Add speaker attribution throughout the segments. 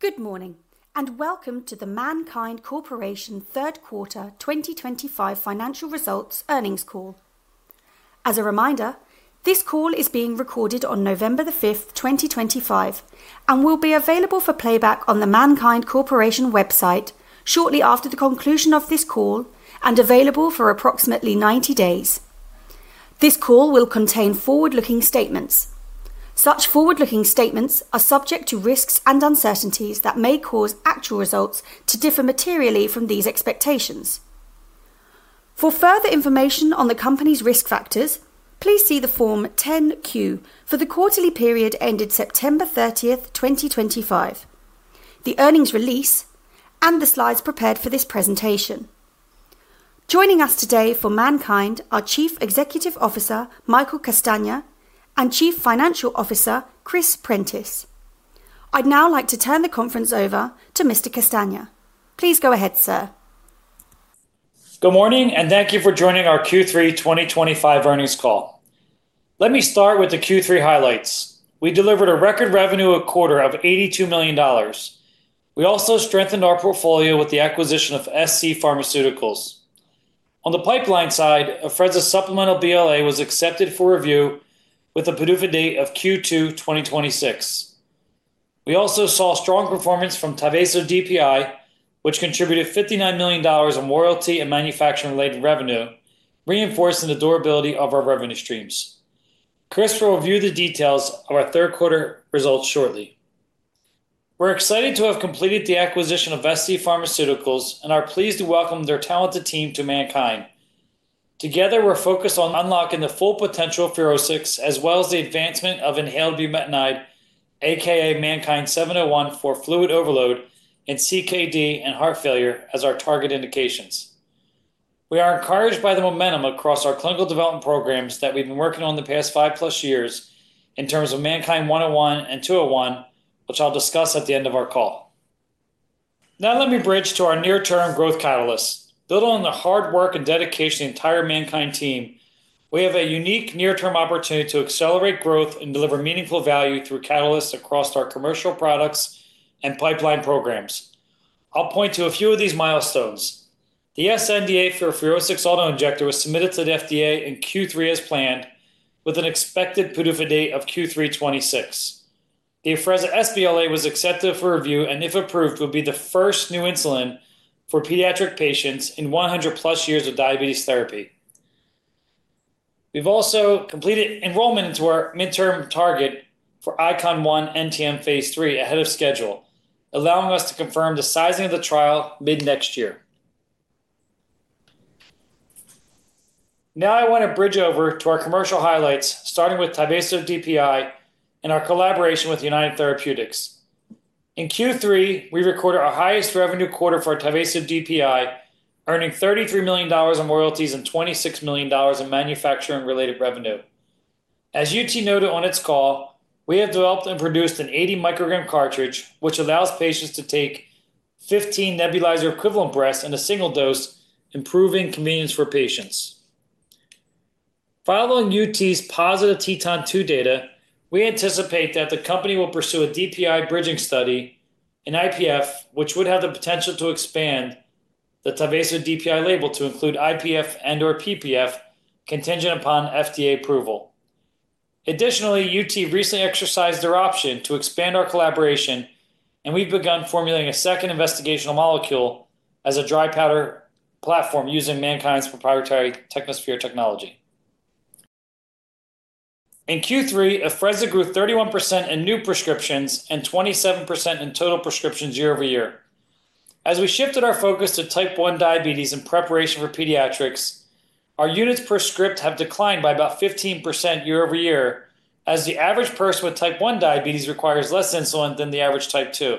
Speaker 1: Good morning and welcome to the MannKind Corporation Third Quarter 2025 Financial Results Earnings Call. As a reminder, this call is being recorded on November the 5th 2025 and will be available for playback on the MannKind Corporation website shortly after the conclusion of this call and available for approximately 90 days. This call will contain forward looking statements. Such forward looking statements are subject to risks and uncertainties that may cause actual results to differ materially from these expectations. For further information on the Company's risk factors, please see the Form 10-Q for the quarterly period ended September 30, 2025, the earnings release and the slides prepared for this presentation. Joining us today for MannKind are Chief Executive Officer Michael Castagna and Chief Financial Officer Chris Prentiss. I'd now like to turn the conference over to Mr. Castagna. Please go ahead sir.
Speaker 2: Good morning and thank you for joining our Q3 2025 earnings call. Let me start with the Q3 highlights. We delivered a record revenue quarter of $82 million. We also strengthened our portfolio with the acquisition of SC Pharmaceuticals. On the pipeline side, Afrezza supplemental BLA was accepted for review with a PDUFA date of Q2 2026. We also saw strong performance from TYVASO DPI which contributed $59 million in royalty and manufacturing related revenue, reinforcing the durability of our revenue streams. Chris will review the details of our third quarter results shortly. We're excited to have completed the acquisition of SC Pharmaceuticals and are pleased to welcome their talented team to MannKind. Together we're focused on unlocking the full potential of FUROSCIX as well as the advancement of inhaled bumetanide, also known as MannKind 701, for fluid overload and CKD and heart failure as our target indications. We are encouraged by the momentum across our clinical development programs that we've been working on the past five plus years in terms of MannKind 101 and 201, which I'll discuss at the end of our call. Now let me bridge to our near term growth catalysts. Built on the hard work and dedication of the entire MannKind team, we have a unique near term opportunity to accelerate growth and deliver meaningful value through catalysts across our commercial products and pipeline programs. I'll point to a few of these milestones. The SNDA for 306 auto injector was submitted to the FDA in Q3 as planned with an expected PDUFA date of Q3 2026. The Afrezza sBLA was accepted for review and if approved will be the first new insulin for pediatric patients in 100 plus years of diabetes therapy. We've also completed enrollment into our midterm target for ICON-1 NTM phase III ahead of schedule, allowing us to confirm the sizing of the trial mid next year. Now I want to bridge over to our commercial highlights starting with TYVASO DPI. In our collaboration with United Therapeutics in Q3, we recorded our highest revenue quarter for TYVASO DPI, earning $33 million in royalties and $26 million in manufacturing related revenue. As UT noted on its call, we have developed and produced an 80 microgram cartridge which allows patients to take 15 nebulizer equivalent breaths in a single dose, improving convenience for patients. Following UT's positive TETON-2 data, we anticipate that the company will pursue a DPI bridging study in IPF, which would have the potential to expand the TYVASO DPI label to include IPF and/or PPF contingent upon FDA approval. Additionally, UT recently exercised their option to expand our collaboration and we've begun formulating a second investigational molecule as a dry powder platform using MannKind's proprietary Technosphere technology. In Q3, Afrezza grew 31% in new prescriptions and 27% in total prescriptions year over year as we shifted our focus to type 1 diabetes in preparation for pediatrics. Our units per script have declined by about 15% year-over-year as the average person with type 1 diabetes requires less insulin than the average type 2.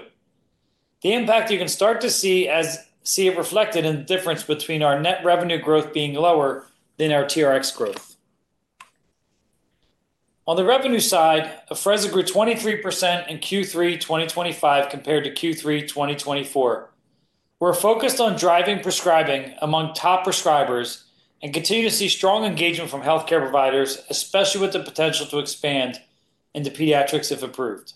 Speaker 2: The impact you can start to see as it is reflected in the difference between our net revenue growth being lower than our TRx growth. On the revenue side, Afrezza grew 23% in Q3 2025 compared to Q3 2024. We're focused on driving prescribing among top prescribers and continue to see strong engagement from healthcare providers, especially with the potential to expand into pediatrics if approved.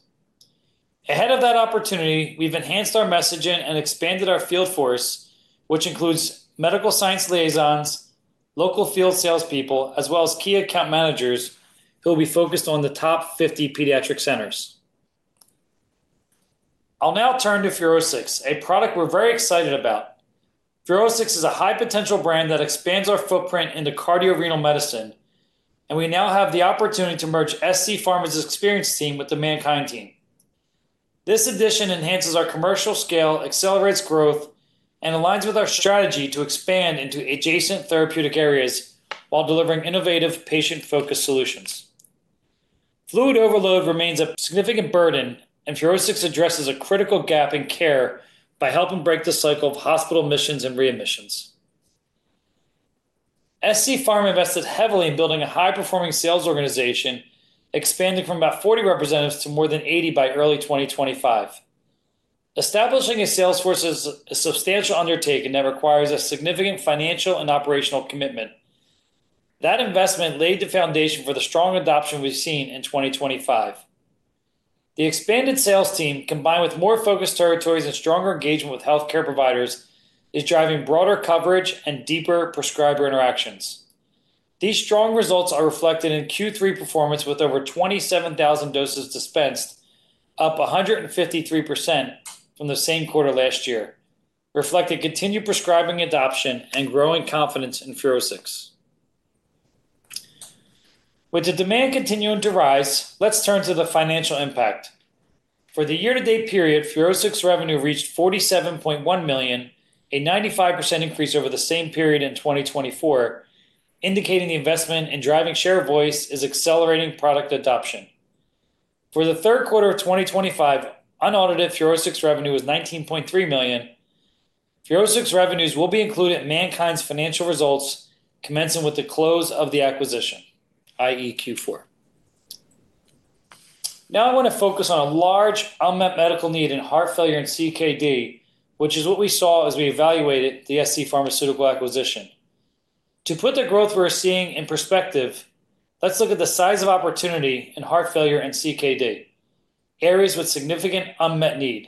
Speaker 2: Ahead of that opportunity, we've enhanced our messaging and expanded our field force which includes medical science liaisons, local field salespeople as well as key account managers who will be focused on the top 50 pediatric centers. I'll now turn to FUROSCIX, a product we're very excited about. FUROSCIX is a high potential brand that expands our footprint into cardiorenal medicine and we now have the opportunity to merge SC Pharmaceuticals' experienced team with the MannKind team. This addition enhances our commercial scale, accelerates growth and aligns with our strategy to expand into adjacent therapeutic areas while delivering innovative, patient focused solutions. Fluid overload remains a significant burden and FUROSCIX addresses a critical gap in care by helping break the cycle of hospital admissions and readmissions. SC Pharma invested heavily in building a high performing sales organization, expanding from about 40 representatives to more than 80 by early 2025. Establishing a salesforce is a substantial undertaking that requires a significant financial and operational commitment. That investment laid the foundation for the strong adoption we've seen in 2025. The expanded sales team, combined with more focused territories and stronger engagement with healthcare providers, is driving broader coverage and deeper prescriber interactions. These strong results are reflected in Q3 performance, with over 27,000 doses dispensed, up 153% from the same quarter last year, reflecting continued prescribing adoption and growing confidence in FUROSCIX. With the demand continuing to rise, let's turn to the financial impact. For the year-to-date period, FUROSCIX revenue reached $47.1 million, a 95% increase over the same period in 2024, indicating the investment in driving share of voice is accelerating product adoption. For the third quarter of 2025, unaudited FUROSCIX revenue was $19.3 million. FUROSCIX revenues will be included in MannKind's financial results, commencing with the close of the acquisition that is Q4. Now I want to focus on a large unmet medical need in heart failure and CKD, which is what we saw as we evaluated the SC Pharmaceuticals acquisition. To put the growth we're seeing in perspective, let's look at the size of opportunity in heart failure and CKD areas with significant unmet need.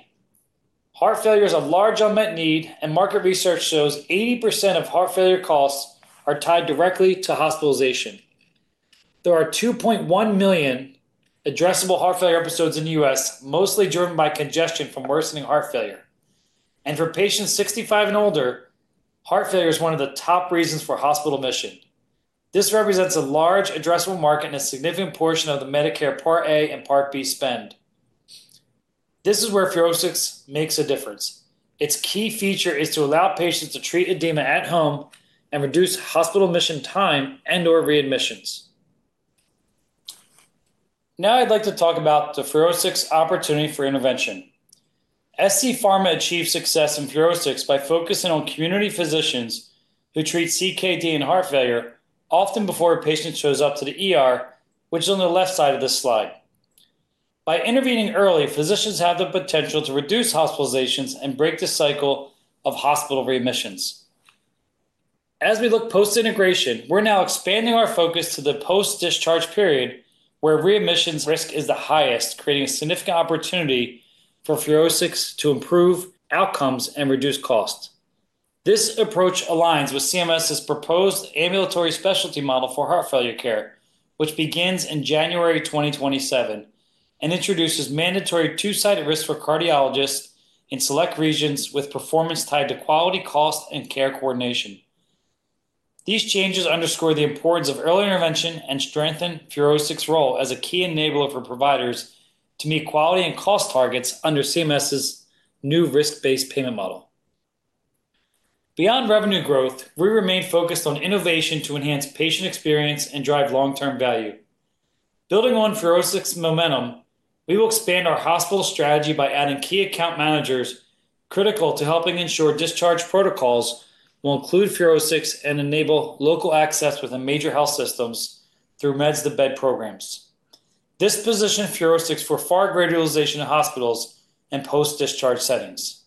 Speaker 2: Heart failure is a large unmet need and market research shows 80% of heart failure costs are tied directly to hospitalization. There are 2.1 million addressable heart failure episodes in the U.S., mostly driven by congestion from worsening heart failure. For patients 65 and older, heart failure is one of the top reasons for hospital admission. This represents a large addressable market and a significant portion of the Medicare Part A and Part B spend. This is where FUROSCIX makes a difference. Its key feature is to allow patients to treat edema at home and reduce hospital admission time and/or readmissions. Now I'd like to talk about the FUROSCIX opportunity for intervention. SC Pharmaceuticals achieves success in FUROSCIX by focusing on community physicians who treat CKD and heart failure, often before a patient shows up to the ER, which is on the left side of this slide. By intervening early, physicians have the potential to reduce hospitalizations and break the cycle of hospital readmissions. As we look post integration, we're now expanding our focus to the post discharge period where readmissions risk is the highest, creating a significant opportunity for FUROSCIX to improve outcomes and reduce costs. This approach aligns with CMS's proposed ambulatory specialty model for heart failure care which begins in January 2027 and introduces mandatory two sided risk for cardiologists in select regions with performance tied to quality, cost, and care coordination. These changes underscore the importance of early intervention and strengthen FUROSCIX's role as a key enabler for providers to meet quality and cost targets under CMS's new risk based payment model. Beyond revenue growth, we remain focused on innovation to enhance patient experience and drive long term value. Building on FUROSCIX momentum, we will expand our hospital strategy by adding key account managers critical to helping ensure discharge protocols will include FUROSCIX and enable local access within major health systems through meds to bed programs. This positions FUROSCIX for far greater utilization in hospitals and post discharge settings.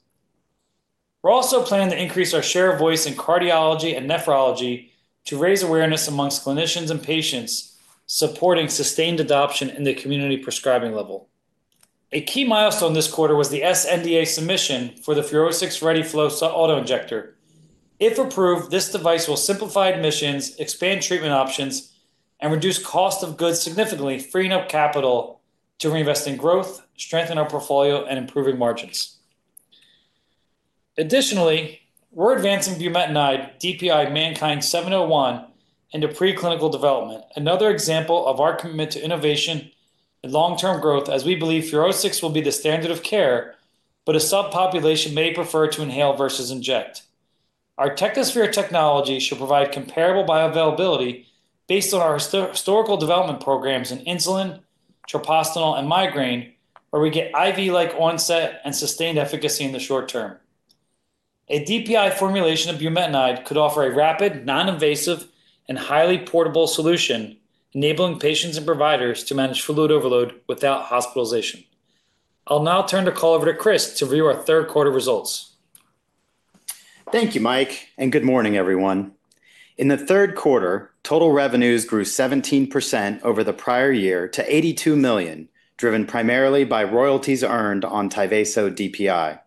Speaker 2: We're also planning to increase our share of voice in cardiology and nephrology to raise awareness amongst clinicians and patients supporting sustained adoption in the community. A key milestone this quarter was the SNDA submission for the FUROSCIX Ready Flow Auto-Injector. If approved, this device will simplify admissions, expand treatment options and reduce cost of goods significantly, freeing up capital to reinvest in growth, strengthen our portfolio and improve margins. Additionally, we're advancing bumetanide DPI MannKind 701 into preclinical development, another example of our commitment to innovation and long term growth as we believe FUROSCIX will be the standard of care but a subpopulation may prefer to inhale versus inject. Our Technosphere Technology should provide comparable bioavailability based on our historical development programs in insulin, treprostinil and migraine where we get IV-like onset and sustained efficacy. In the short term a DPI formulation of bumetanide could offer a rapid, noninvasive and highly portable solution enabling patients and providers to manage fluid overload without hospitalization. I'll now turn the call over to Chris to review our third quarter results.
Speaker 3: Thank you Mike and good morning everyone. In the third quarter, total revenues grew 17% over the prior year to $82 million, driven primarily by royalties earned on TYVASO DPI.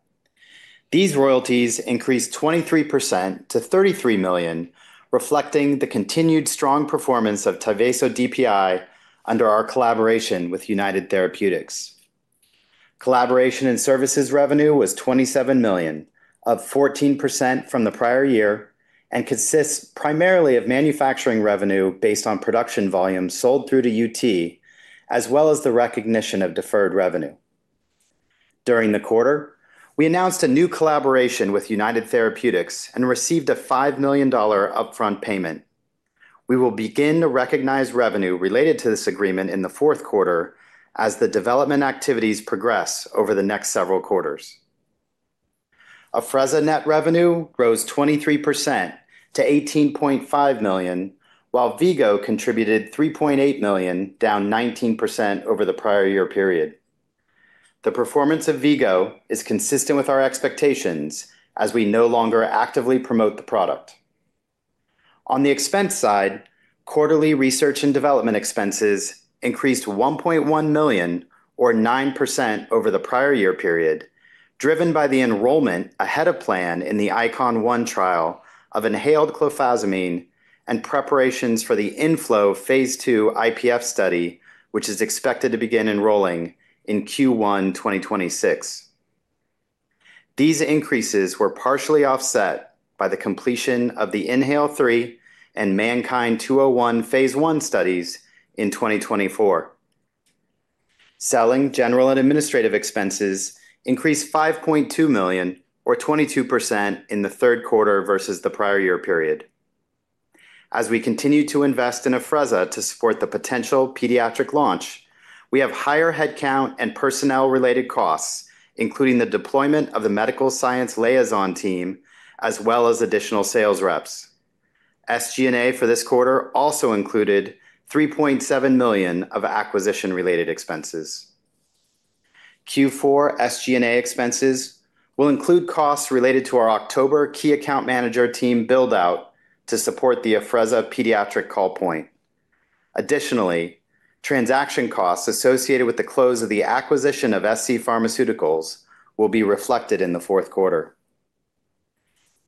Speaker 3: These royalties increased 23% to $33 million, reflecting the continued strong performance of TYVASO DPI under our collaboration with United Therapeutics. Collaboration and services revenue was $27 million, up 14% from the prior year and consists primarily of manufacturing revenue based on production volumes sold through to UT as well as the recognition of deferred revenue. During the quarter, we announced a new collaboration with United Therapeutics and received a $5 million upfront payment. We will begin to recognize revenue related to this agreement in the fourth quarter as the development activities progress over the next several quarters. Afrezza net revenue rose 23% to $18.5 million while V-Go contributed $3.8 million, down 19% over the prior year period. The performance of V-Go is consistent with our expectations as we no longer actively promote the product. On the expense side, quarterly research and development expenses increased $1.1 million or 9% over the prior year period driven by the enrollment ahead of plan in the ICON-1 trial of inhaled clofazimine and preparations for the INFLOW phase II IPF study which is expected to begin enrolling in Q1 2026. These increases were partially offset by the completion of the INHALE-3 and MannKind 201 phase I studies in 2024. Selling, general and administrative expenses increased $5.2 million or 22% in the third quarter versus the prior year period. As we continue to invest in Afrezza to support the potential pediatric launch, we have higher headcount and personnel related costs including the deployment of the Medical Science Liaison team as well as additional sales reps. SG&A for this quarter also included $3.7 million of acquisition related expenses. Q4 SG&A expenses will include costs related to our October Key Account Manager team build out to support the Afrezza Pediatric call point. Additionally, transaction costs associated with the close of the acquisition of SC Pharmaceuticals will be reflected in the fourth quarter.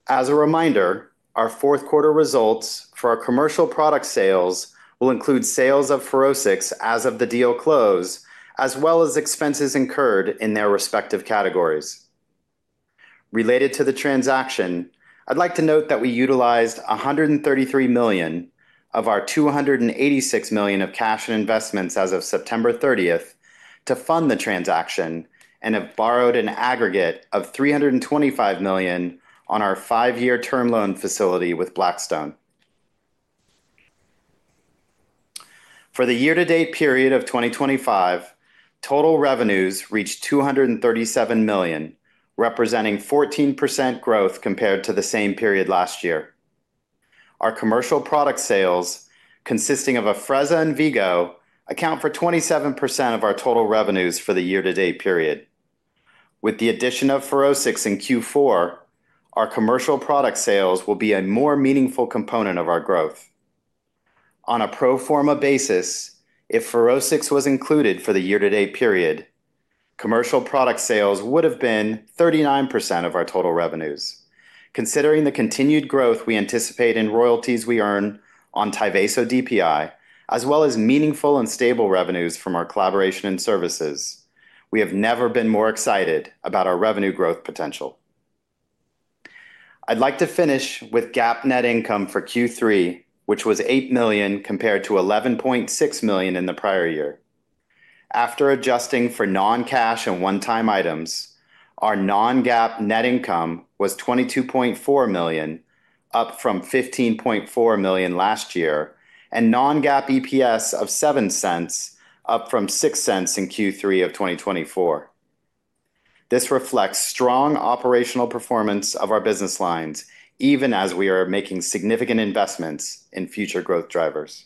Speaker 3: As a reminder, our fourth quarter results for our commercial product sales will include sales of FUROSCIX as of the deal close as well as expenses incurred in their respective categories related to the transaction. I'd like to note that we utilized $133 million of our $286 million of cash and investments as of September 30 to fund the transaction and have borrowed an aggregate of $325 million on our five year term loan facility with Blackstone. For the year-to-date period of 2025, total revenues reached $237 million representing 14% growth compared to the same period last year. Our commercial product sales consisting of Afrezza and V-Go account for 27% of our total revenues for the year-to-date period. With the addition of FUROSCIX in Q4, our commercial product sales will be a more meaningful component of our growth on a pro forma basis. If FUROSCIX was included for the year-to-date period, commercial product sales would have been 39% of our total revenues. Considering the continued growth we anticipate in royalties we earn on TYVASO DPI as well as meaningful and stable revenues from our collaboration and services, we have never been more excited about our revenue growth potential. I'd like to finish with GAAP Net Income for Q3 which was $8 million compared to $11.6 million in the prior year. After adjusting for non-cash and one-time items, our non-GAAP Net Income was $22.4 million, up from $15.4 million last year, and non-GAAP EPS of $0.07, up from $0.06 in Q3 of 2024. This reflects strong operational performance of our business lines even as we are making significant investments in future growth drivers.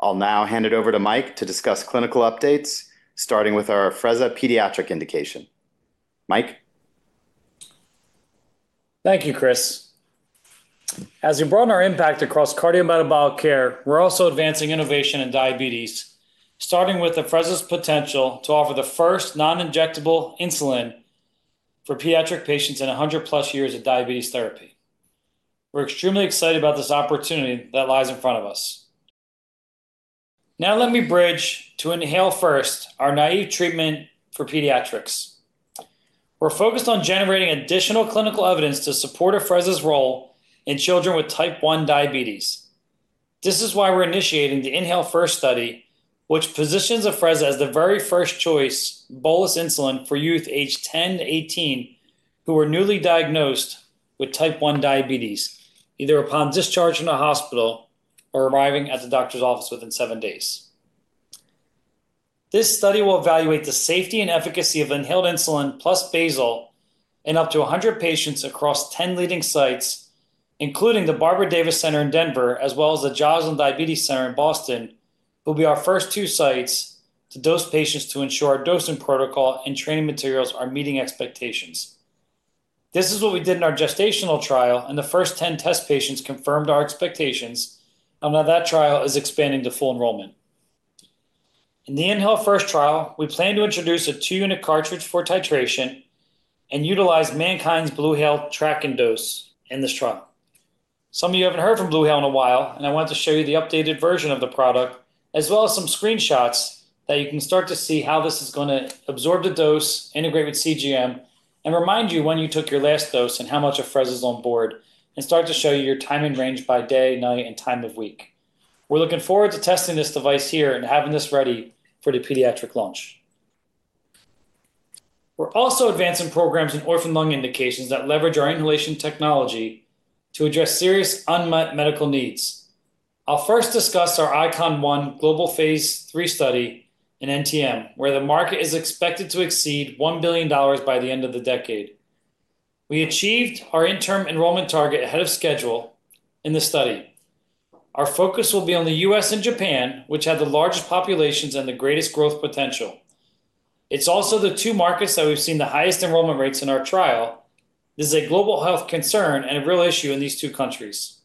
Speaker 3: I'll now hand it over to Mike to discuss clinical updates starting with our Afrezza Pediatric indication. Mike.
Speaker 2: Thank you, Chris. As we broaden our impact across cardiometabolic care, we're also advancing innovation in diabetes, starting with Afrezza's potential to offer the first non-injectable insulin for pediatric patients in 100-plus years of diabetes therapy. We're extremely excited about this opportunity that lies in front of us now. Let me bridge to INHALE-1, our naive treatment for pediatrics. We're focused on generating additional clinical evidence to support Afrezza's role in children with type 1 diabetes. This is why we're initiating the INHALE-1 study, which positions Afrezza as the very first choice bolus insulin for youth age 10 to 18 who were newly diagnosed with type 1 diabetes either upon discharge from the hospital or arriving at the doctor's office within seven days. This study will evaluate the safety and efficacy of inhaled insulin plus basal in up to 100 patients across 10 leading sites, including the Barbara Davis Center in Denver as well as the Joslin Diabetes Center in Boston. These will be our first two sites to dose patients to ensure our dosing protocol and training materials are meeting expectations. This is what we did in our gestational trial and the first 10 test patients confirmed our expectations, and now that trial is expanding to full enrollment. In the INHALE-1 trial we plan to introduce a two unit cartridge for titration and utilize MannKind's BluHale tracking dose in this trial. Some of you haven't heard from BluHale in a while and I want to show you the updated version of the product as well as some screenshots that you can start to see how this is going to absorb the dose, integrate with CGM and remind you when you took your last dose and how much Afrezza is on board and start to show you your timing range by day, night and time of week. We're looking forward to testing this device here and having this ready for the pediatric launch. We're also advancing programs in orphan lung indications that leverage our inhalation technology to address serious unmet medical needs. I'll first discuss our ICON-1 global phase III study in NTM where the market is expected to exceed $1 billion by the end of the decade. We achieved our interim enrollment target ahead of schedule in the study. Our focus will be on the U.S. and Japan, which have the largest populations and the greatest growth potential. It's also the two markets that we've seen the highest enrollment rates in our trial. This is a global health concern and a real issue in these two countries.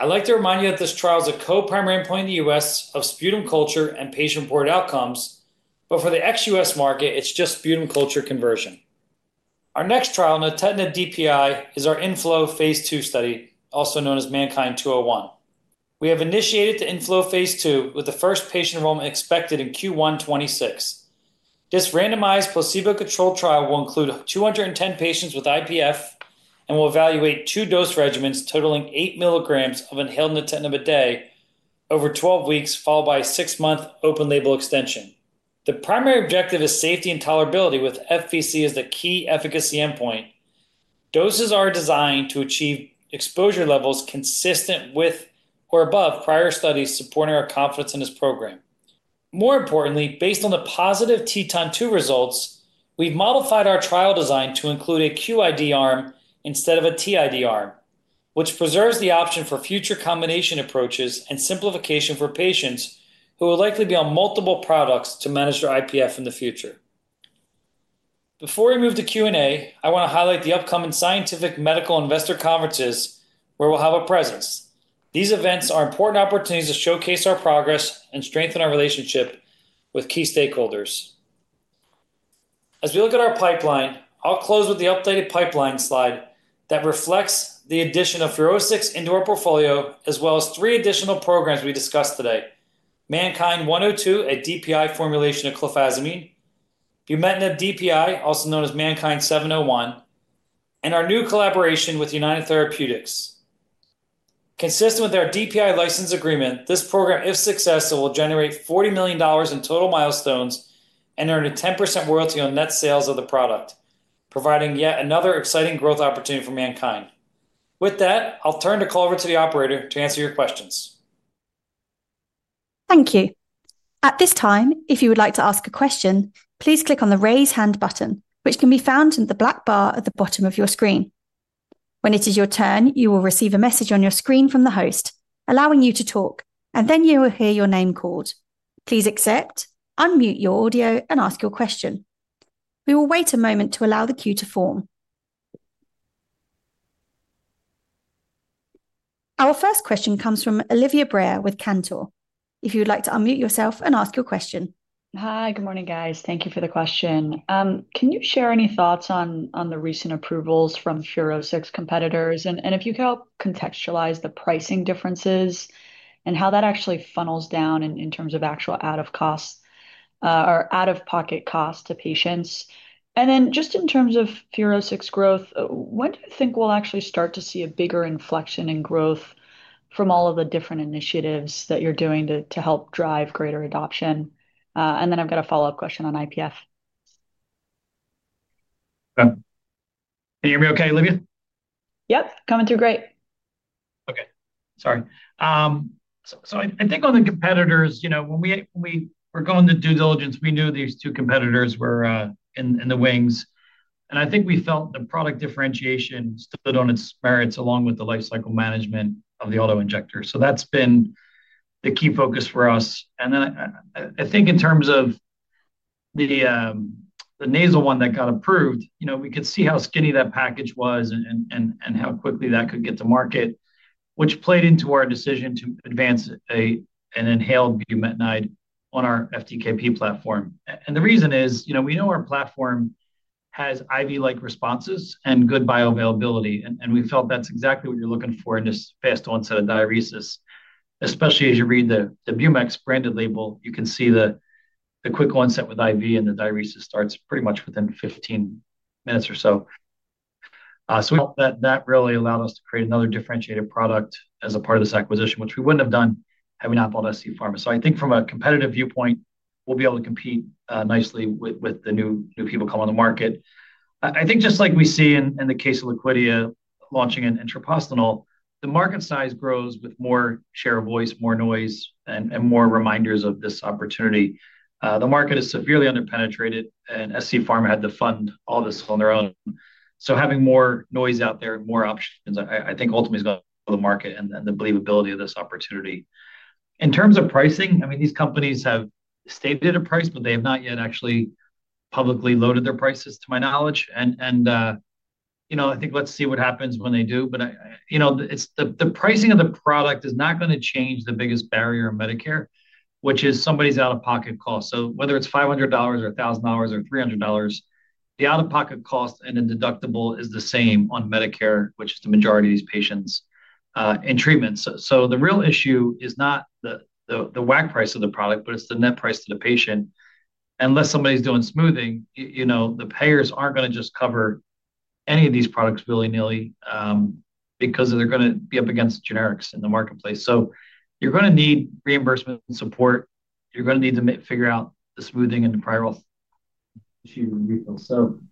Speaker 2: I'd like to remind you that this trial is a co-primary endpoint in the U.S. of sputum culture and patient-reported outcomes, but for the ex-U.S. market it's just sputum culture conversion. Our next trial in a nintedanib DPI is our INFLOW phase II study, also known as MannKind 201. We have initiated the INFLOW phase 2 with the first patient enrollment expected in Q1 2026. This randomized placebo controlled trial will include 210 patients with IPF and will evaluate two dose regimens totaling 8 milligrams of inhaled nintedanib a day over 12 weeks followed by a six month open label extension. The primary objective is safety and tolerability with FVC as the key efficacy endpoint. Doses are designed to achieve exposure levels consistent with or above prior studies, supporting our confidence in this program. More importantly, based on the positive TETON-2 results, we've modified our trial design to include a QID arm instead of a TID arm, which preserves the option for future combination approaches and simplification for patients who will likely be on multiple products to manage their IPF in the future. Before we move to Q and A, I want to highlight the upcoming Scientific Medical Investor Conferences where we'll have a presence. These events are important opportunities to showcase our progress and strengthen our relationship with key stakeholders as we look at our pipeline. I'll close with the updated pipeline slide that reflects the addition of FUROSCIX into our portfolio as well as three additional programs we discussed today. MannKind 102, a DPI formulation of clofazimine, bumetanide DPI, also known as MannKind 701, and our new collaboration with United Therapeutics. Consistent with our DPI license agreement, this program, if successful, will generate $40 million in total milestones and earn a 10% royalty on net sales of the product, providing yet another exciting growth opportunity for MannKind. With that, I'll turn the call over to the operator to answer your questions.
Speaker 1: Thank you. At this time, if you would like to ask a question, please click on the Raise hand button which can be found in the black bar at the bottom of your screen. When it is your turn, you will receive a message on your screen from the host allowing you to talk and then you will hear your name called. Please accept, unmute your audio, and ask your question. We will wait a moment to allow the queue to form. Our first question comes from Olivia Brayer with Cantor. If you would like to unmute yourself and ask your question.
Speaker 4: Hi, good morning guys. Thank you for the question. Can you share any thoughts on the recent approvals from FUROSCIX competitors and if you could help contextualize the pricing differences and how that actually funnels down in terms of actual out-of-pocket cost to patients? And then just in terms of FUROSCIX growth, when do you think we'll actually start to see a bigger inflection in growth from all of the different initiatives that you're doing to help drive greater adoption? I've got a follow-up question on IPF.
Speaker 2: Can you hear me okay, Olivia?
Speaker 4: Yep, coming through. Great.
Speaker 2: Okay, sorry. I think on the competitors, you know, when we were going to due diligence, we knew these two competitors were in the wings and I think we felt the product differentiation stood on its merits along with the lifecycle management of the auto injector. That has been the key focus for us. I think in terms of the nasal one that got approved, you know, we could see how skinny that package was and how quickly that could get to market. Which played into our decision to advance A and inhaled bumetanide on our FTKP platform. The reason is, you know, we know our platform has IV-like responses and good bioavailability and we felt that's exactly what you're looking for in this fast onset of diuresis. Especially as you read the Bumex branded label, you can see the quick onset with IV and the diuresis starts pretty much within 15 minutes or so. We hope that that really allowed us to create another differentiated product as a part of this acquisition, which we would not have done had we not bought SC Pharmaceuticals. I think from a competitive viewpoint we will be able to compete nicely with the new people coming on the market. I think just like we see in the case of Liquidia launching an intrapostanol, the market size grows with more share of voice, more noise, and more reminders of this opportunity. The market is severely underpenetrated and SC Pharmaceuticals had to fund all this on their own. Having more noise out there and more options, I think ultimately is going to help the market and the believability of this opportunity. In terms of pricing, I mean, these companies have stated a price but they have not yet actually publicly loaded their prices to my knowledge. You know, I think let's see what happens when they do. You know, the pricing of the product is not going to change the biggest barrier in Medicare, which is somebody's out-of-pocket cost. Whether it's $500 or $1,000 or $300, the out-of-pocket cost and the deductible is the same on Medicare, which is the majority of these patients in treatments. The real issue is not the WAC price of the product, but it's the net price to the patient. Unless somebody's doing smoothing, the payers aren't going to just cover any of these products willy nilly because they're going to be up against generics in the marketplace. You're going to need reimbursement and support. You're going to need to figure out the smoothing and the prior refill.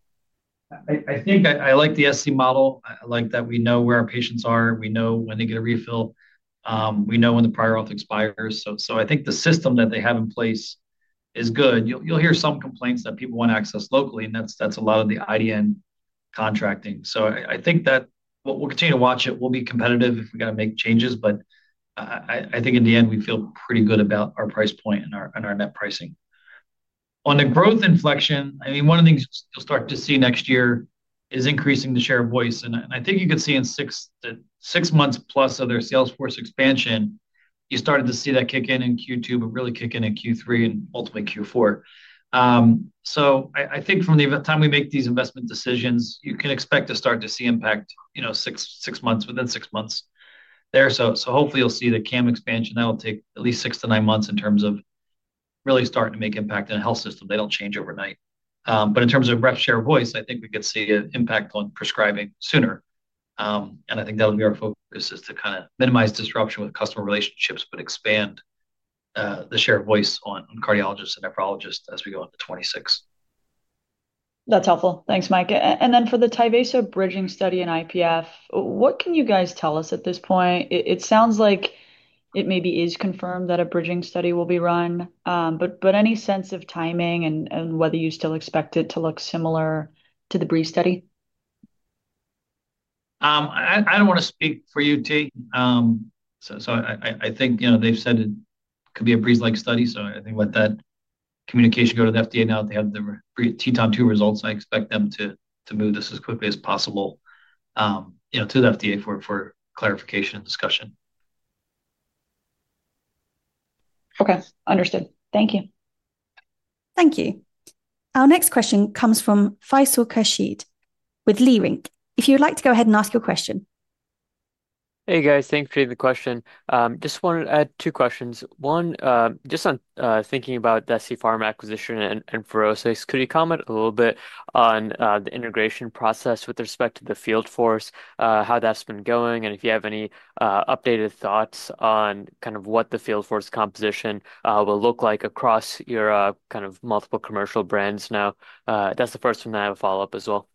Speaker 2: I think I like the SC model. I like that we know where our patients are, we know when they get a refill, we know when the prior auth expires. I think the system that they have in place is good. You'll hear some complaints that people want to access locally and that's a lot of the IDN contracting. I think that we'll continue to watch it, we'll be competitive if we got to make changes. I think in the end we feel pretty good about our price point and our net pricing on the growth inflection. I mean one of the things you'll start to see next year is increasing the share of voice. I think you can see in six months plus of their salesforce expansion, you started to see that kick in, in Q2, but really kick in in Q3 and ultimately Q4. I think from the time we make these investment decisions, you can expect to start to see impact, you know, six, six months, within six months. Hopefully you'll see the CAM expansion. That'll take at least six to nine months in terms of really starting to make impact in the health system. They don't change overnight. In terms of rep share voice, I think we could see an impact on prescribing sooner and I think that'll be our focus is to kind of minimize disruption with customer relationships, but expand the shared voice on cardiologists and nephrologists as we go into 2026.
Speaker 4: That's helpful. Thanks, Mike. For the TYVASO bridging study in IPF, what can you guys tell us at this point? It sounds like it maybe is confirmed that a bridging study will be run, but any sense of timing and whether you still expect it to look similar to the BREEZE study?
Speaker 2: I do not want to speak for UT. I think they have said it could be a BREEZE-like study. I think let that communication go to the FDA. Now that they have the TETON-2 results, I expect them to move this as quickly as possible to the FDA for clarification and discussion.
Speaker 4: Okay, understood. Thank you.
Speaker 1: Thank you. Our next question comes from Faisal Khurshid with Leerink. If you would like to go ahead and ask your question.
Speaker 5: Hey guys, thanks for taking the question. Just wanted to add two questions. One, just on thinking about the SC Pharmaceuticals acquisition and FUROSCIX, could you comment a little bit on the integration process with respect to the field force, how that's been going and if you have any updated thoughts on kind of what the field force composition will look like across your kind of multiple commercial brands. Now that's the first one. I have a follow up as well.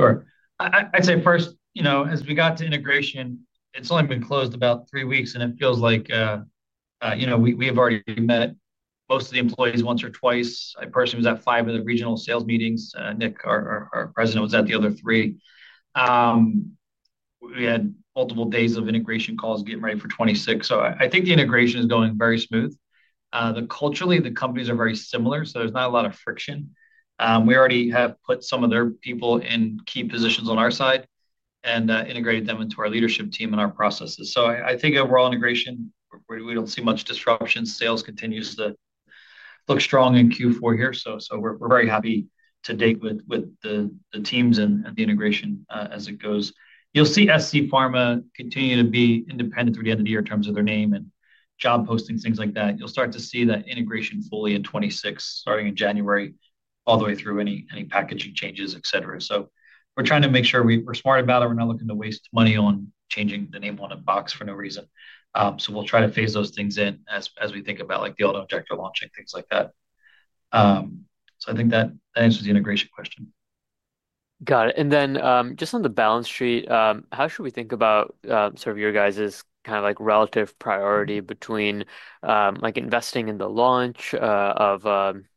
Speaker 2: Sure. I'd say first, you know, as we got to integration, it's only been closed about three weeks and it feels like, you know, we have already met most of the employees once or twice. A person was at five of the regional sales meetings. Nick, our President, was at the other three. We had multiple days of integration calls getting ready for 2026. I think the integration is going very smooth. Culturally the companies are very similar, so there's not a lot of friction. We already have put some of their people in key positions on our side and integrated them into our leadership team and our processes. I think overall integration we don't see much disruption. Sales continues to look strong in Q4 here, so we're very happy to date with the teams and the integration as it goes. You'll see SC Pharma continue to be independent through the end of the year in terms of their name and job posting, things like that. You'll start to see that integration fully in 2026, starting in January, all the way through any packaging changes, et cetera. We're trying to make sure we're smart about it. We're not looking to waste money on changing the name on a box for no reason. We'll try to phase those things in as we think about like the auto injector launching, things like that. I think that answers the integration question.
Speaker 5: Got it. Then just on the balance sheet, how should we think about sort of your guys' kind of like relative priority between like investing in the launch of,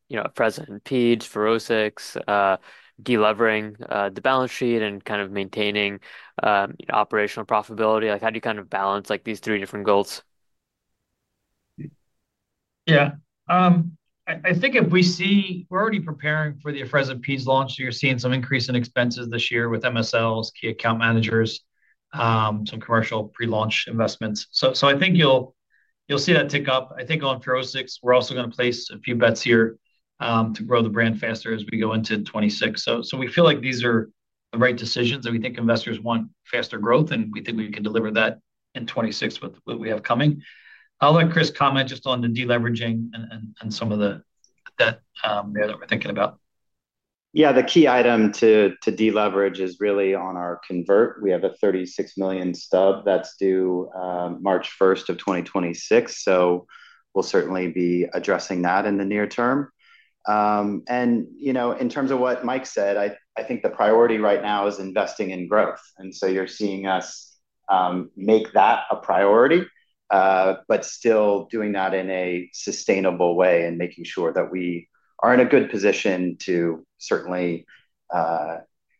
Speaker 5: you know, Afrezza Peds, FUROSCIX, delevering the balance sheet and kind of maintaining operational profitability. How do you kind of balance like these three different goals?
Speaker 2: Yeah, I think if we see we're already preparing for the Afrezza Peds launch, so you're seeing some increase in expenses this year with MSLs, key account managers, some commercial pre launch investments. I think you'll see that tick up. I think on FUROSCIX we're also going to place a few bets here to grow the brand faster as we go into 26. We feel like these are the right decisions that we think investors want from faster growth and we think we can deliver that in 26 with what we have coming. I'll let Chris comment just on the deleveraging and some of the debt there that we're thinking about.
Speaker 3: Yeah, the key item to deleverage is really on our convert. We have a $36 million stub that's due March 1st of 2026. We will certainly be addressing that in the near term. In terms of what Mike said, I think the priority right now is investing in growth and you are seeing us make that a priority but still doing that in a sustainable way and making sure that we are in a good position to certainly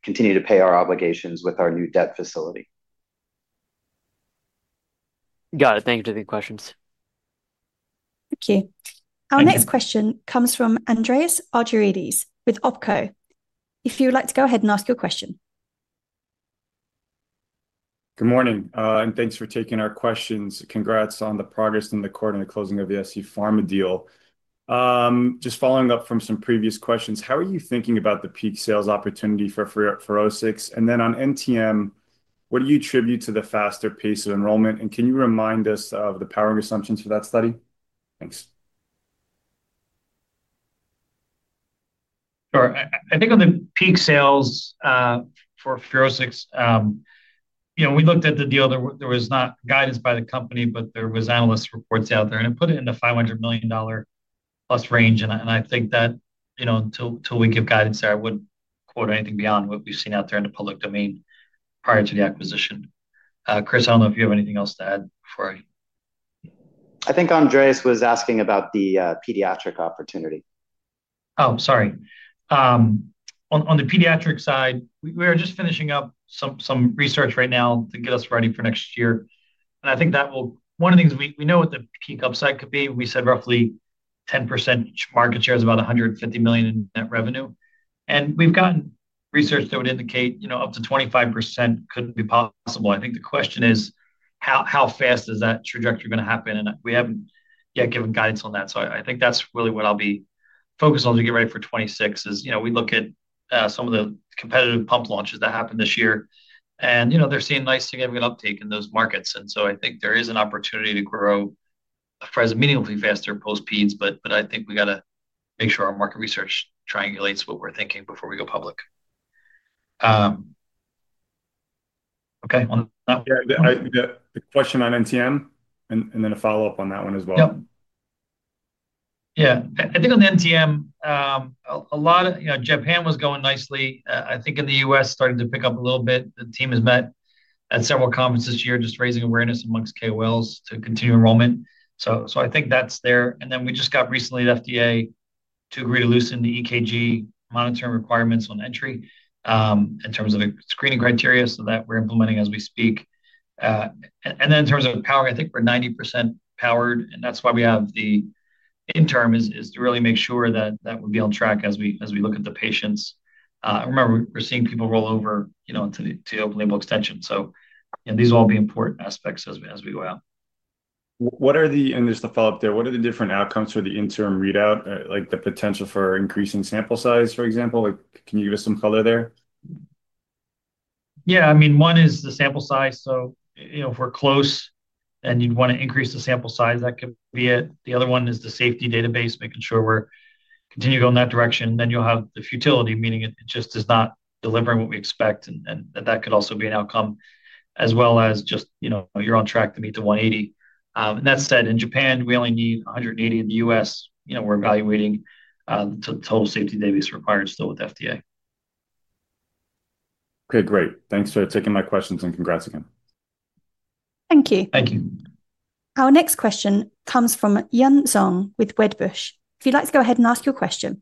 Speaker 3: continue to pay our obligations with our new debt facility.
Speaker 5: Got it. Thank you for the questions.
Speaker 1: Thank you. Our next question comes from Andreas Argyrides with Oppenheimer. If you would like to go ahead and ask your question.
Speaker 6: Good morning and thanks for taking our questions. Congrats on the progress in the court. The closing of the SC Pharma deal. Just following up from some previous questions. How are you thinking about the peak sales opportunity for FUROSCIX and then on NTM, what do you attribute to the faster pace of enrollment and can you remind us of the powering assumptions for that study? Thanks.
Speaker 2: Sure. I think on the peak sales for FUROSCIX, you know, we looked at the deal, there was not guidance by the company, but there were analyst reports out there and it put it in the $500 million plus range. I think that, you know, until we give guidance there, I would not quote anything beyond what we have seen out there in the public domain prior to the acquisition. Chris, I do not know if you have anything else to add for.
Speaker 3: I think Andreas was asking about the pediatric opportunity.
Speaker 2: Oh, sorry. On the pediatric side, we are just finishing up some research right now to get us ready for next year and I think that will. One of the things we know what the peak upside could be. We said roughly 10% market share is about $150 million in net revenue. And we've gotten research that would indicate, you know, up to 25% could be possible. I think the question is how fast is that trajectory going to happen? And we haven't yet given guidance on that. I think that's really what I'll be focused on to get ready for 2026 is, you know, we look at some of the competitive pump launches that happen this year and, you know, they're seeing nice, significant uptake in those markets. I think there is an opportunity to grow meaningfully faster post peds. I think we gotta make sure our market research triangulates what we're thinking before we go public. Okay.
Speaker 6: The question on NTM and then a follow up on that one as well.
Speaker 2: Yeah, I think on the NTM a lot of, you know, Japan was going nicely, I think in the U.S. starting to pick up a little bit. The team has met at several conferences here, just raising awareness amongst KOLs to continue enrollment. I think that's there. We just got recently at FDA to agree to loosen the EKG monitoring requirements on entry in terms of the screening criteria so that we're implementing as we speak. In terms of power, I think we're 90% powered. That is why we have the interim, to really make sure that that would be on track as we look at the patients. Remember, we're seeing people roll over to open label extension. These will all be important aspects as we go out.
Speaker 6: What are the, and just to follow up there, what are the different outcomes for the interim readout? Like the potential for increasing sample size, for example, can you give us some color there?
Speaker 2: Yeah, I mean, one is the sample size. If we're close and you'd want to increase the sample size, that could be it. The other one is the safety database, making sure we're continuing going that direction. You will have the futility, meaning it just is not delivering what we expect. That could also be an outcome as well as just, you know, you're on track to meet the 180. That said, in Japan we only need 180. In the U.S., you know, we're evaluating the total safety database required still with FDA.
Speaker 6: Okay, great. Thanks for taking my questions and congrats again.
Speaker 1: Thank you.
Speaker 2: Thank you.
Speaker 1: Our next question comes from Yun Zhong with Wedbush. If you'd like to go ahead and ask your question.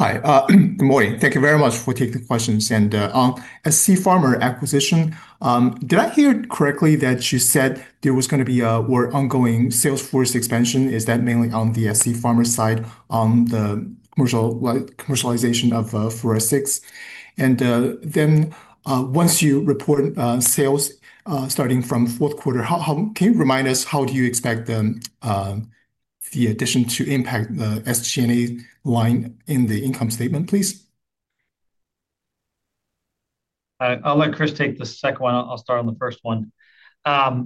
Speaker 7: Hi, good morning. Thank you very much for taking the questions. On the SC Pharma acquisition, did I hear correctly that you said there was going to be an ongoing salesforce expansion? Is that mainly on the SC Pharma side on the commercialization of FUROSCIX? Once you report sales starting from fourth quarter, can you remind us how you expect the addition to impact the SG&A line in the income statement, please.
Speaker 2: I'll let Chris take the second one. I'll start on the first one. I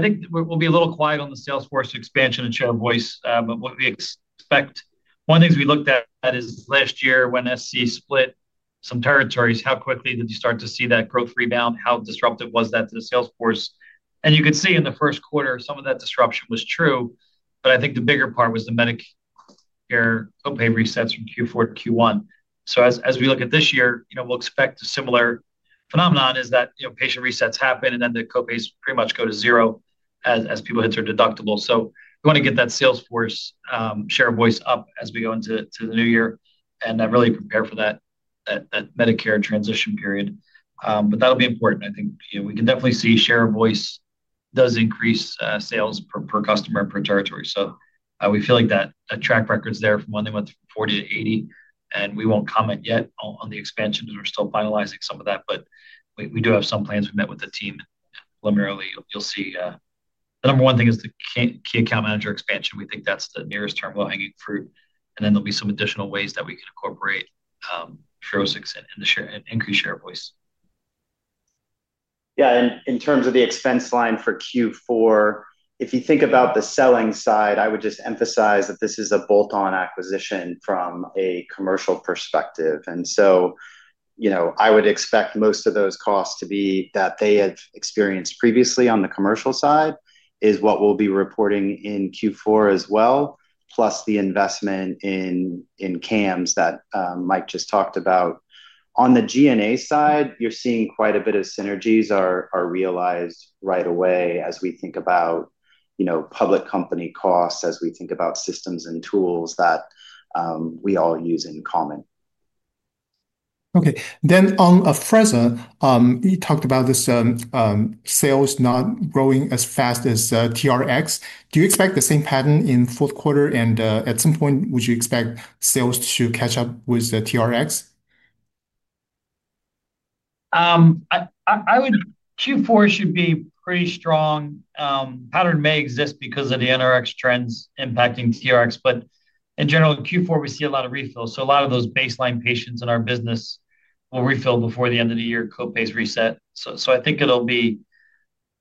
Speaker 2: think we'll be a little quiet on the Salesforce expansion and share of voice. What we expect, one of the things we looked at is last year when SC split some territories. How quickly did you start to see that growth rebound? How disruptive was that to the Salesforce? You could see in the first quarter some of that disruption was true. I think the bigger part was the medicine, your copay resets from Q4 to Q1. As we look at this year, you know, we'll expect a similar phenomenon is that, you know, patient resets happen and then the copays pretty much go to zero as people hit their deductible. We want to get that salesforce share voice up as we go into the new year and really prepare for that Medicare transition period. That'll be important. I think we can definitely see share of voice does increase sales per customer per territory. We feel like that track record is there from when they went from 40 to 80. We won't comment yet on the expansion because we're still finalizing some of that. We do have some plans. We met with the team. You'll see the number one thing is the key account manager expansion. We think that's the nearest term, low hanging fruit. There will be some additional ways that we can incorporate increased sharepoints.
Speaker 3: Yeah. In terms of the expense line for Q4, if you think about the selling side, I would just emphasize that this is a bolt on acquisition from a commercial perspective. You know, I would expect most of those costs to be that they have experienced previously on the commercial side is what we'll be reporting in Q4 as well. Plus the investment in in cams that Mike just talked about. On the G&A side, you're seeing quite a bit of synergies are realized right away as we think about, you know, public company costs as we think about systems and tools that we all use in common.
Speaker 7: Okay, then on Afrezza, you talked about this. Sales not growing as fast as TRx. Do you expect the same pattern in fourth quarter? At some point would you expect sales to catch up with the TRx?
Speaker 2: I would. Q4 should be pretty strong. Pattern may exist because of the NRx trends impacting TRx. In general in Q4 we see a lot of refill. A lot of those baseline patients in our business will refill before the end of the year. Co pays reset. I think it'll be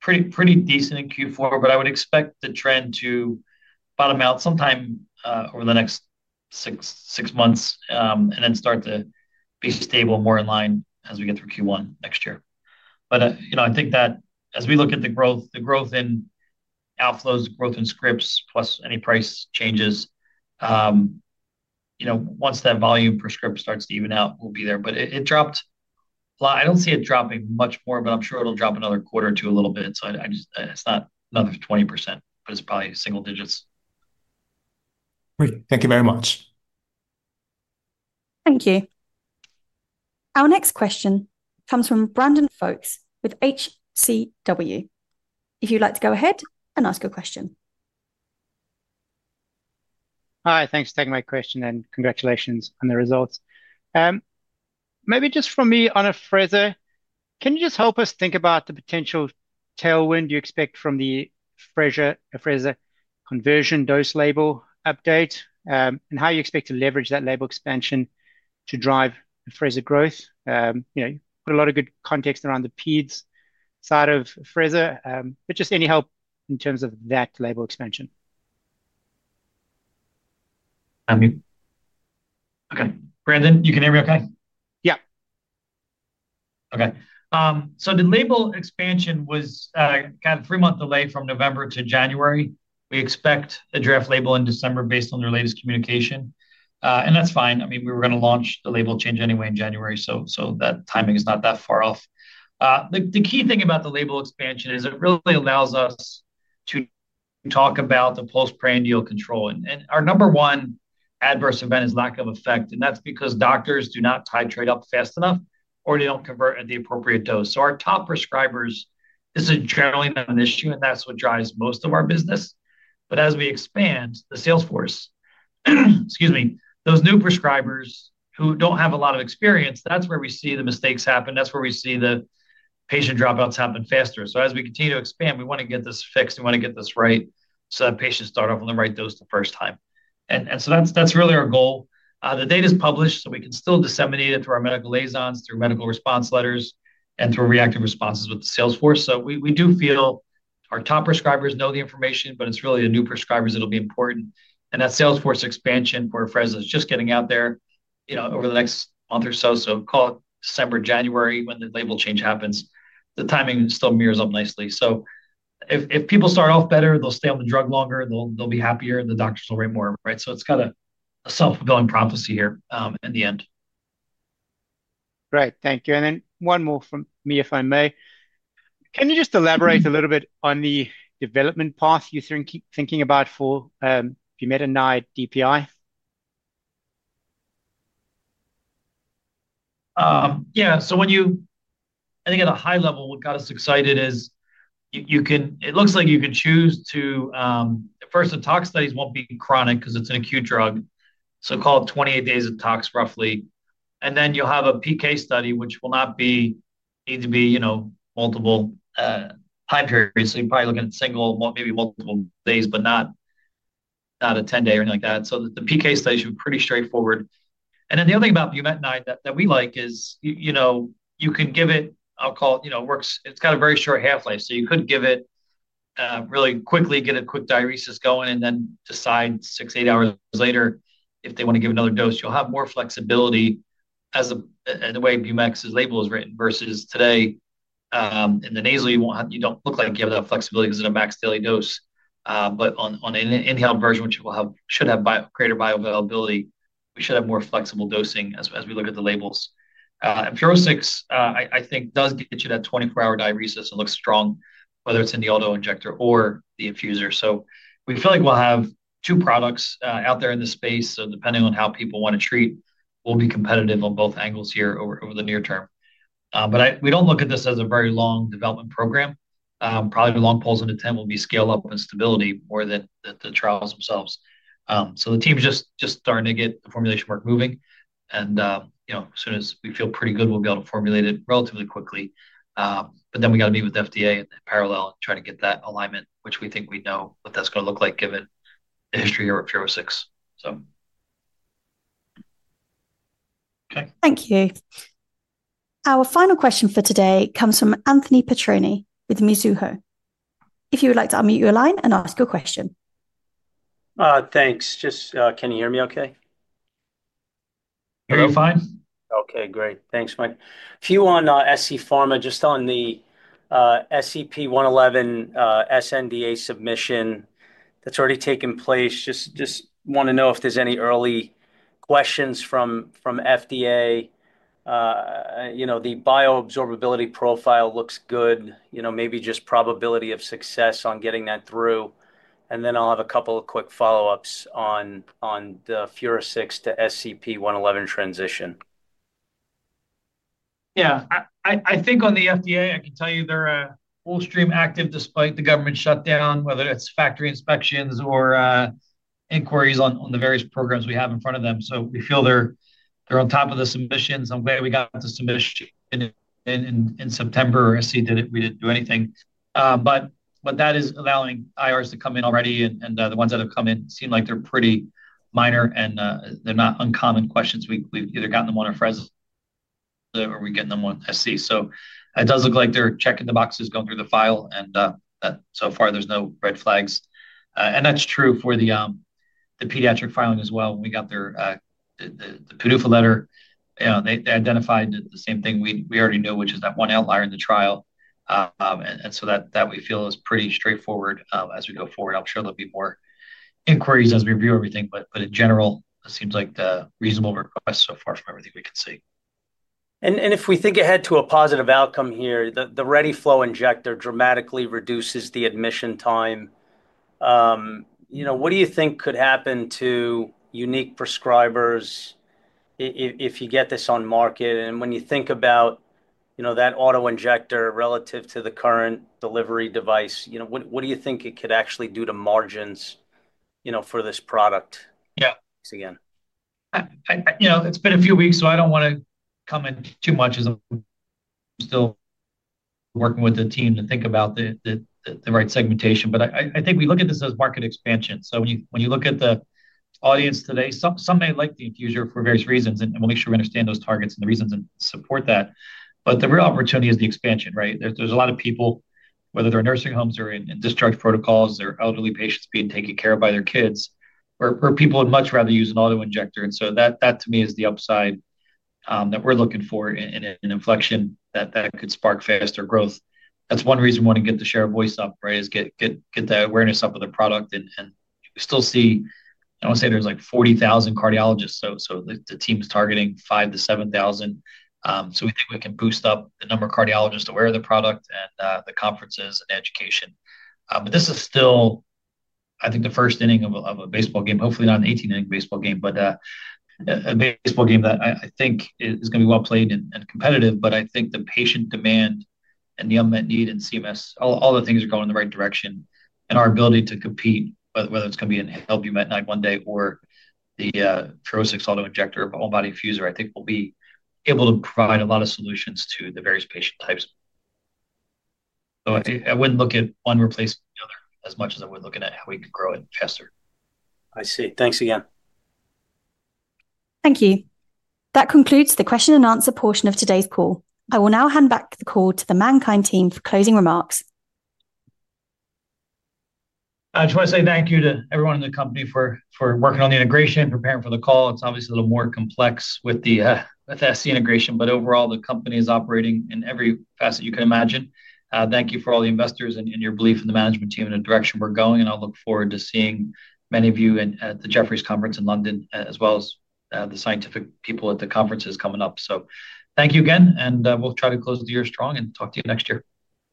Speaker 2: pretty, pretty decent in Q4, but I would expect the trend to bottom out sometime over the next six months and then start to be stable more in line as we get through Q1 next year. You know, I think that as we look at the growth, the growth in outflows, growth in scripts, plus any price changes, once that volume per script starts to even out, we'll be there. It dropped. I don't see it dropping much more, but I'm sure it'll drop another quarter to a little bit. I just. It's not another 20% but it's probably single digits.
Speaker 7: Great, thank you very much.
Speaker 1: Thank you. Our next question comes from Brandon Folkes with HCW, if you'd like to go ahead and ask your question.
Speaker 8: Hi, thanks for taking my question. Congratulations on the results. Maybe just from me on Afrezza. Can you just help us think about the potential tailwind you expect from the Afrezza conversion dose label update and how you expect to leverage that label expansion to drive Afrezza growth. You know, put a lot of good. Context around the peds side of Afrezza. But just any help in terms of that label expansion?
Speaker 2: Okay, Brandon, you can hear me okay?
Speaker 8: Yep.
Speaker 2: Okay, the label expansion was kind of three month delay from November to January. We expect a draft label in December based on their latest communication and that's fine. I mean we were going to launch the label change anyway in January. That timing is not that far off. The key thing about the label expansion is it really allows us to talk about the postprandial control. Our number one adverse event is lack of effect. That's because doctors do not titrate up fast enough or they do not convert at the appropriate dose. Our top prescribers, this is generally not an issue and that's what drives most of our business. As we expand the Salesforce, excuse me, those new prescribers who do not have a lot of experience, that is where we see the mistakes happen, that is where we see the patient dropouts happen faster. As we continue to expand, we want to get this fixed, we want to get this right so that patients start off on the right dose the first time. That is really our goal. The data is published so we can still disseminate it through our medical liaisons, through medical response letters, and through reactive responses with the sales force. We do feel our top prescribers know the information, but it is really the new prescribers, it will be important. That salesforce expansion for Afrezza is just getting out there, you know, over the next month or so. Call December, January, when the label change happens. The timing still mirrors up nicely. If people start off better, they'll stay on the drug longer, they'll be happier, the doctors will rate more. Right. It is kind of a self-fulfilling prophecy here in the end.
Speaker 8: Great, thank you. One more from me, if I may. Can you just elaborate a little bit? On the development path you're thinking about for MannKind 701 DPI?
Speaker 2: Yeah. So when you, I think at a high level, what got us excited is you can, it looks like you can choose to. First, the tox studies won't be chronic because it's an acute drug. So call it 28 days of tox roughly. And then you'll have a PK study which will not be, need to be, you know, multiple time periods. So you're probably looking at single, maybe multiple days, but not, not a 10 day or anything like that. So the PK station, pretty straightforward. And then the other thing about bumetanide that we like is, you know, you can give it alcohol, you know, works, it's got a very short half life. You could give it really quickly, get a quick diuresis going and then decide six, eight hours later if they want to give another dose. You'll have more flexibility as the way Bumex's label is written versus today in the nasal you don't look like you have that flexibility because of max daily dose. On an inhaled version, which should have greater bioavailability, we should have more flexible dosing as we look at the labels. FUROSCIX I think does get you that 24 hour diuresis and looks strong whether it's in the auto injector or the infuser. We feel like we'll have two products out there in the space. Depending on how people want to treat, we'll be competitive on both angles here over the near term. I, we don't look at this as a very long development program. Probably long poles in attempt will be scale up and stability more than the trials themselves. The team's just starting to get the formulation work moving and you know as soon as we feel pretty good we'll be able to formulate it relatively quickly. Then we got to meet with FDA in parallel and try to get that alignment, which we think we know what that's going to look like given the history here at FUROSCIX.
Speaker 8: Okay.
Speaker 1: Thank you. Our final question for today comes from Anthony Petrone with Mizuho. If you would like to unmute your line and ask your question.
Speaker 9: Thanks. Just can you hear me okay?
Speaker 2: Fine.
Speaker 9: Okay, great. Thanks Mike. Few on SC Pharma, just on the SCP-111 SNDA submission that's already taken place. Just want to know if there's any early questions from FDA. You know the bioabsorbability profile looks good. You know, maybe just probability of success on getting that through and then I'll have a couple of quick follow ups on the FUROSCIX to SCP-111 transition.
Speaker 2: Yeah, I think on the FDA I can tell you they're full stream active despite the government shutdown, whether it's factory inspections or inquiries on the various programs we have in front of them. We feel they're, they're on top of the submissions. I'm glad we got the submission in in September. SC did it, we didn't do anything but that is allowing IRS to come in already and the ones that have come in seem like they're pretty minor and they're not uncommon questions. We've either gotten them on Afrezza or we're getting them on SC. It does look like they're checking the boxes going through the file and that so far there's no red flags and that's true for the pediatric filing as well. When we got the PDUFA letter, they identified the same thing we already knew, which is that one outlier in the trial. That we feel is pretty straightforward as we go forward. I'm sure there'll be more inquiries as we review everything, but in general, it seems like reasonable requests so far from everything we can see.
Speaker 9: If we think ahead to a positive outcome here, the Ready Flow Auto-Injector dramatically reduces the admission time. You know, what do you think could happen to unique prescribers if you get this on market? When you think about, you know, that auto-injector relative to the current delivery device, you know, what do you think it could actually do to margins, you know, for this product?
Speaker 2: Yeah. Again, you know, it's been a few weeks, so I do not want to comment too much as I am still working with the team to think about the right segmentation. I think we look at this as market expansion. When you look at the audience today, some may like the infuser for various reasons and we will make sure we understand those targets and the reasons that support that. The real opportunity is the expansion. Right. There's a lot of people, whether they're nursing homes or in discharge protocols or elderly patients being taken care of by their kids or people would much rather use an auto injector. That to me is the upside that we're looking for in inflection that could spark faster growth. That's one reason we want to get the shared voice up. Right. Is get the awareness up of the product and still see, I want to say there's like 40,000 cardiologists, so the team's targeting 5,000-7,000. We think we can boost up the number of cardiologists aware of the product and the conferences and education. This is still, I think, the first inning of a baseball game. Hopefully not an 18 inning baseball game, but a baseball game that I think is going to be well played and competitive. I think the patient demand and the unmet need in CMS, all the things are going in the right direction and our ability to compete, whether it's going to be an LB MET night one day or the FUROSCIX Auto-Injector All Body fuser, I think will be able to provide a lot of solutions to the various patient types. I would not look at one replacement as much as we are looking at how we could grow it faster.
Speaker 9: I see. Thanks again.
Speaker 1: Thank you. That concludes the question and answer portion of today's call. I will now hand back the call to the MannKind team for closing remarks.
Speaker 2: I just want to say thank you to everyone in the company for working on the integration, preparing for the call. It's obviously a little more complex with the integration, but overall, the company is operating in every facet you can imagine. Thank you for all the investors and your belief in the management team and the direction we're going. I look forward to seeing many of you at the Jefferies Conference in London, as well as the scientific people at the conferences coming up. Thank you again and we'll try to close the year strong and talk to you next year.